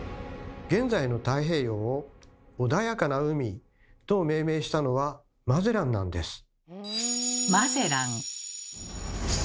現在の「太平洋」を「穏やかな海」と命名したのはマゼランなんです。